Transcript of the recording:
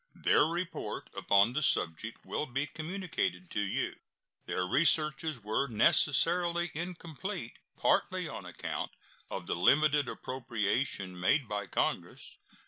Their report upon the subject will be communicated to you. Their researches were necessarily incomplete, partly on account of the limited appropriation made by Congress.